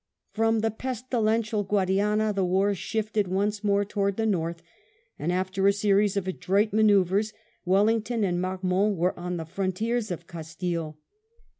From the pestQential Guadiana the war shifted once more towards the north, and after a series of adroit manosuvres Wellington and Marmont were on the frontiers of Castille.